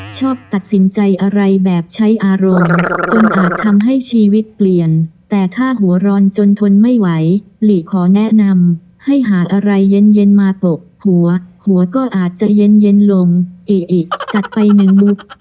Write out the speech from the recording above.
ชอบตัดสินใจอะไรแบบใช้อารมณ์จนอาจทำให้ชีวิตเปลี่ยนแต่ถ้าหัวร้อนจนทนไม่ไหวหลีขอแนะนำให้หาอะไรเย็นมาตกหัวหัวก็อาจจะเย็นลงเอะจัดไปหนึ่งมุก